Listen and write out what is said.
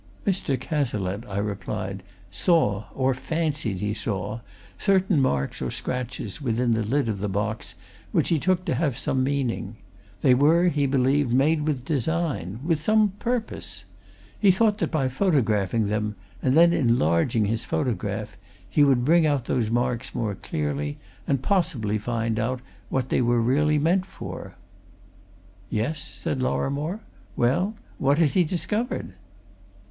"Mr. Cazalette," I replied, "saw, or fancied he saw, certain marks or scratches within the lid of the box which he took to have some meaning: they were, he believed, made with design with some purpose. He thought that by photographing them, and then enlarging his photograph, he would bring out those marks more clearly, and possibly find out what they were really meant for." "Yes?" said Lorrimore. "Well what has he discovered?"